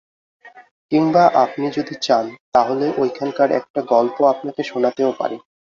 কিংবা আপনি যদি চান তাহলে ঐখানকার একটা গল্প আপনাকে শোনাতেও পারি।